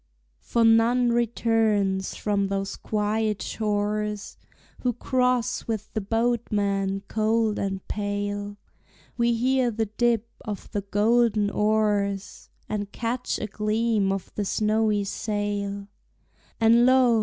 For none returns from those quiet shores, Who cross with the boatman cold and pale; We hear the dip of the golden oars, And catch a gleam of the snowy sail; And lo!